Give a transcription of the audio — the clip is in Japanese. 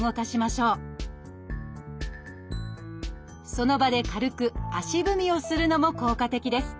その場で軽く足踏みをするのも効果的です。